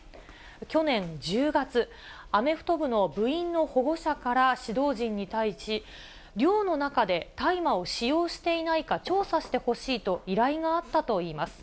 去年１０月、アメフト部の部員の保護者から指導陣に対し、寮の中で大麻を使用していないか調査してほしいと依頼があったといいます。